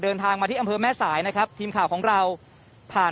เดินทางมาที่อำเภอแม่สายนะครับทีมข่าวของเราผ่าน